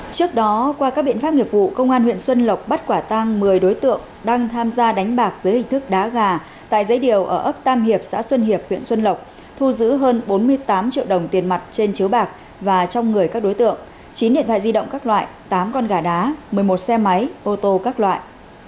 trước đó qua các biện pháp nghiệp vụ công an huyện xuân lộc bắt quả tang một mươi đối tượng đang tham gia đánh bạc dưới hình thức đá gà tại giấy điều ở ấp tam hiệp xã xuân hiệp huyện xuân lộc thu giữ hơn bốn mươi tám triệu đồng tiền mặt trên chiếu bạc và trong người các đối tượng chín điện thoại di động các loại tám con gà đá một mươi một xe máy ô tô các loại